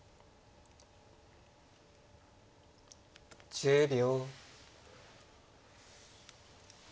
１０秒。